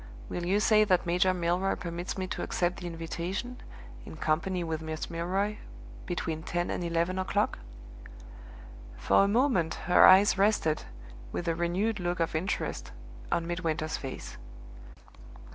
Will you say that Major Milroy permits me to accept the invitation (in company with Miss Milroy) between ten and eleven o'clock?" For a moment her eyes rested, with a renewed look of interest, on Midwinter's face.